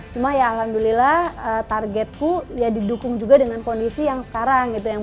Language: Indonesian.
cuma ya alhamdulillah targetku didukung juga dengan kondisi yang sekarang